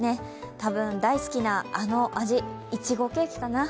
多分、大好きなあの味いちごケーキかな？